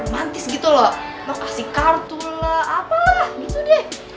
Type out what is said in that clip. mantis gitu loh mau kasih kartu lah apalah gitu deh